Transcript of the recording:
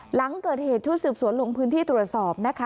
หลังเกิดเหตุชุดสืบสวนลงพื้นที่ตรวจสอบนะคะ